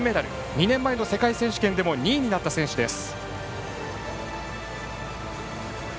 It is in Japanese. ２年前の世界選手権でも２位になった選手です。